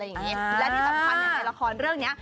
และที่สำคัญในละครเรื่องนี้